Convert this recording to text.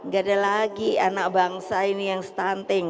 gak ada lagi anak bangsa ini yang stunting